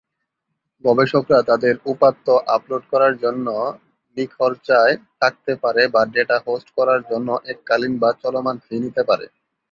গবেষকরা তাদের উপাত্ত আপলোড করার জন্য নিখরচায় থাকতে পারে বা ডেটা হোস্ট করার জন্য এককালীন বা চলমান ফি নিতে পারে।